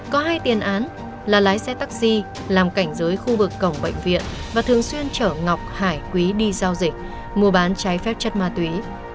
có hai tiền án là lái xe taxi làm cảnh giới khu vực cổng bệnh viện và thường xuyên chở ngọc hải quý đi giao dịch mua bán trái phép chất ma túy